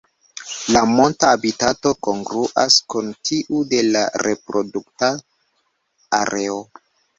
La monta habitato kongruas kun tiu de la reprodukta areo.